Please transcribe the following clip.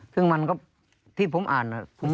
ซึ่งมันก็ที่ผมอ่าน